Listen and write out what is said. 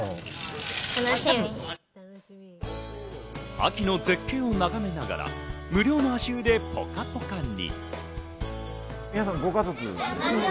秋の絶景を眺めながら、無料の足湯でポカポカに。